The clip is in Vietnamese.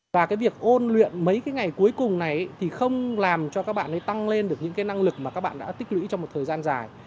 và cái việc ôn luyện mấy cái ngày cuối cùng này thì không làm cho các bạn ấy tăng lên được những cái năng lực mà các bạn đã tích lũy trong một thời gian dài